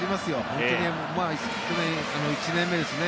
本当に、１年目ですね